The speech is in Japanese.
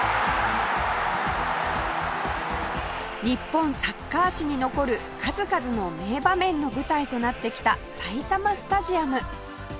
日本サッカー史に残る数々の名場面の舞台となってきた埼玉スタジアム